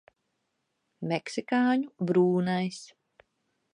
Meksikāņu brūnais.